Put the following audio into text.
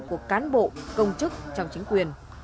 của cán bộ công chức trong chính quyền